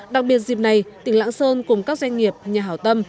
đặc biệt dịp này tỉnh lạng sơn cùng các doanh nghiệp nhà hảo tâm